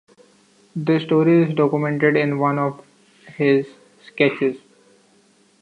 This story is documented in one of his sketches.